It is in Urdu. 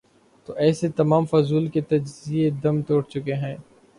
تو ایسے تمام فضول کے تجزیے دم توڑ چکے ہیں۔